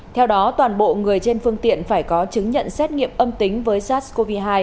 theo đó toàn bộ người trên phương tiện phải có chứng nhận xét nghiệm âm tính với sars cov hai